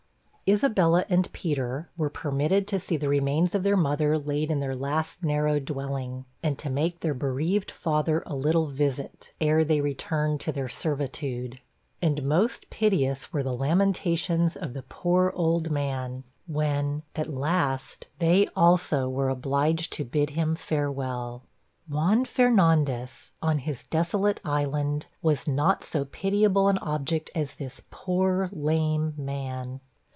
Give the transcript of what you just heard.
Isabella and Peter were permitted to see the remains of their mother laid in their last narrow dwelling, and to make their bereaved father a little visit, ere they returned to their servitude. And most piteous were the lamentations of the poor old man, when, at last, they also were obliged to bid him "Farewell!" Juan Fernandes, on his desolate island, was not so pitiable an object as this poor lame man.